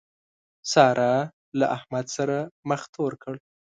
سارا له احمد سره مخ تور کړ.